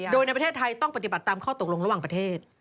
โดยในประเทศไทยต้องปฏิบัติตามข้อตกลงระหว่างประเทศ